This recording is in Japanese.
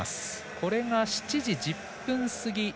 これが、７時１０分過ぎ。